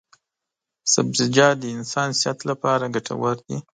سبزیجات د انسان صحت لپاره ګټور دي.